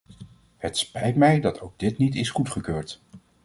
Het spijt mij dat ook dit niet is goedgekeurd.